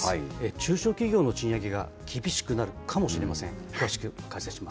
中小企業の賃上げが厳しくなるかもしれません。